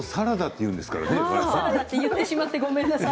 言ってしまってごめんなさい。